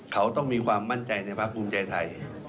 เขาต้องมีความมั่นใจในภาคภูมิใจไทย